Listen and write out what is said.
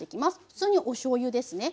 普通におしょうゆですね。